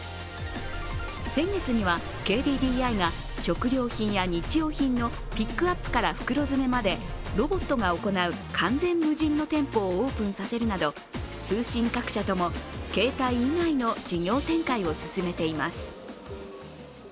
先月にはＫＤＤＩが食料品や日用品のピックアップから袋詰めまでロボットが行う完全無人の店舗をオープンさせるなど通信各社とも携帯以外の事業展開を進めています。